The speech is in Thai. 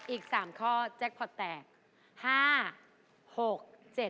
อีก๓ข้อแจ๊คพอร์ตแตก